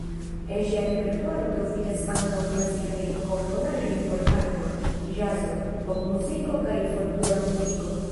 En ŝia repertuaro troviĝas ankaŭ klasikaj komponaĵoj por harpo, ĵazo, popmuziko kaj folklora muziko.